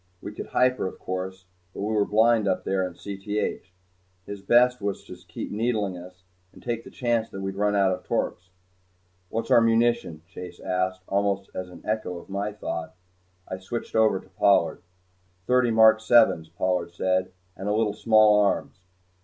We could hyper, of course, but we were blind up there in Cth. His best was to keep needling us, and take the chance that we'd run out of torps. "What's our munition?" Chase asked almost as an echo to my thought. I switched over to Pollard. "Thirty mark sevens," Pollard said, "and a little small arms."